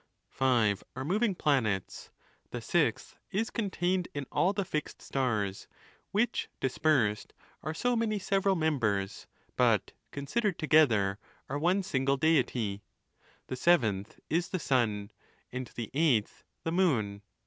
Five are moving planets ;' the sixth is contained in all the fixed stars ; which, dispersed, are so many several members, but, Considered together, are one single Deity ; the seventh is the sun ; and the eighth the moon.